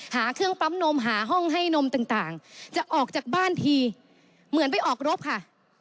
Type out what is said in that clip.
หาเครื่องปั๊มนมหาห้องให้นมต่างจะออกจากบ้านทีเหมือนไปออกรบค่ะ